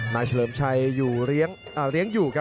เฉลิมชัยอยู่เลี้ยงอยู่ครับ